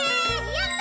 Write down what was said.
やった！